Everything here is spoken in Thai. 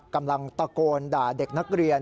กำลังตะโกนด่าเด็กนักเรียน